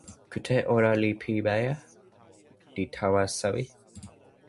kute ona li pimeja, li tawa sewi.